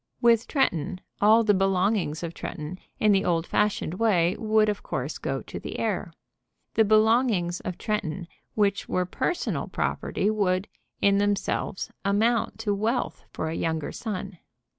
With Tretton, all the belongings of Tretton, in the old fashioned way, would, of course, go to the heir. The belongings of Tretton, which were personal property, would, in themselves, amount to wealth for a younger son.